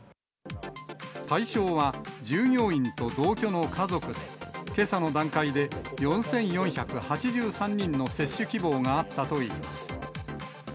対象は、従業員と同居の家族で、けさの段階で４４８３人の接種希望があったといいます。